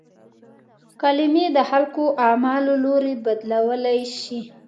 کلمې د خلکو اعمالو لوری بدلولای شي.